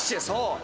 そう。